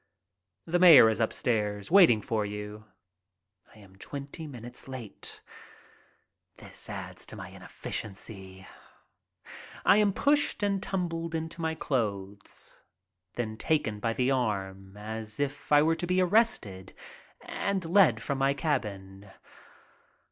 "The mayor is upstairs waiting for you." I am twenty minutes late. This adds to my inefficiency. I am pushed and tumbled into my clothes, then taken by the arm, as if I were about to be arrested, and led from my cabin.